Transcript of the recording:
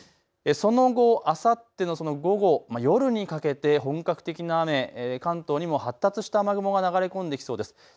その後、あさっての午後、夜にかけて本格的な雨、関東にも発達した雨雲が流れ込んできそうです。